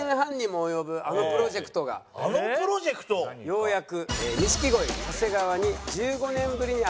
ようやく。